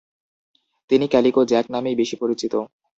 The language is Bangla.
তিনি ক্যালিকো জ্যাক নামেই বেশি পরিচিত।